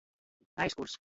Aizkurs.